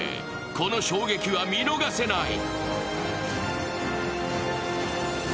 この衝撃は見逃せない。